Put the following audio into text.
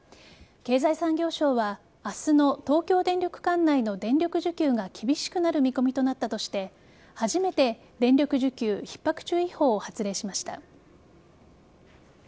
経済産業省は明日の東京電力管内の電力需給が厳しくなる見込みとなったとして初めて電力需給ひっ迫注意報を発令しました。